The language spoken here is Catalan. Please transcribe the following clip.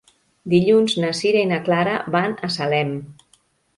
Dilluns na Sira i na Clara van a Salem.